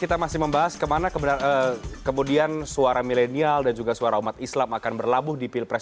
kita masih membahas kemana kemudian suara milenial dan juga suara umat islam akan berlabuh di pilihan